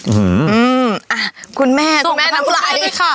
อืออ่ะคุณแม่ส่งมาก่อนได้ก่อนได้ไหมคะ